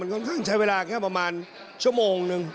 ค่อนข้างใช้เวลาแค่ประมาณชั่วโมงนึง